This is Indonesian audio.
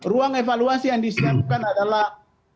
ruang evaluasi yang disiapkan adalah